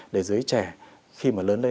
để giới trẻ khi mà lớn lên